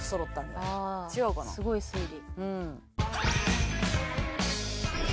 すごい推理。